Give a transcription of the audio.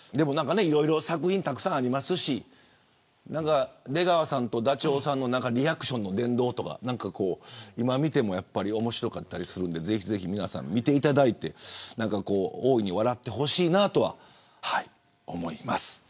でも、たくさん作品ありますし出川さんとダチョウさんのリアクションの殿堂とか今見ても面白かったりするのでぜひぜひ皆さん見ていただいて大いに笑ってほしいなとは思います。